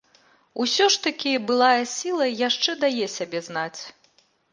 Усё ж такі былая сіла яшчэ дае сябе знаць.